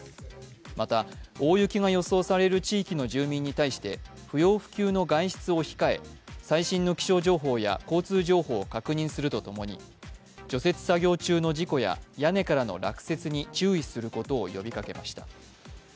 また、大雪が予想される地域の住民に対して不要不急の外出を控え、最新の気象情報や交通情報を確認するとともに除雪作業中の事故や屋根からの落雪に注意することを呼びかけました。